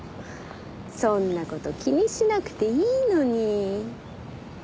そんな事気にしなくていいのに。